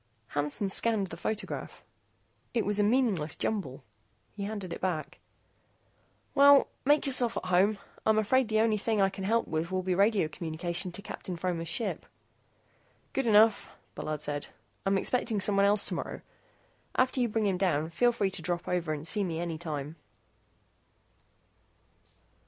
Hansen scanned the photograph. It was a meaningless jumble. He handed it back. "Well, make yourself at home. I'm afraid that the only thing I can help with will be radio communication to Captain Fromer's ship." "Good enough," Bullard said. "I'm expecting someone else tomorrow. After you bring him down, feel free to drop over and see me anytime."